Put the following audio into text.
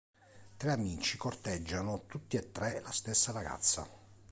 Tre amici corteggiano tutti e tre la stessa ragazza.